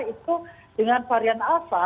itu dengan varian alfa